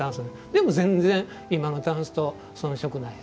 でも、全然今のたんすと遜色ないです。